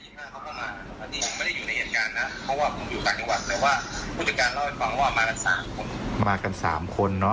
ถึงที่๒๕เขามามันยังไม่ได้อยู่ในเหตุการณ์นะเพราะว่าผมอยู่กลางจังหวัด